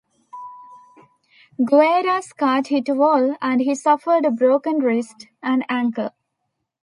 Guerra's car hit a wall, and he suffered a broken wrist and ankle.